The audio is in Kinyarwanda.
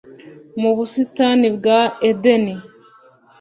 Mu busitani bwa Edeni.